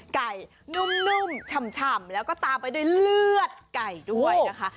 ไก่นุ่มฉ่ำแล้วก็ตามไปด้วยเลือดไก่ด้วยนะคะ